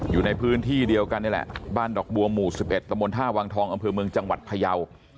อยู่ในพื้นที่เดียวกันนี่แหละบ้านดอกบัวหมู่๑๑ตะมนท่าวังทองอำเภอเมืองจังหวัดพยาว